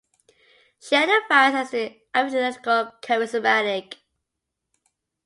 She identifies as an evangelical charismatic.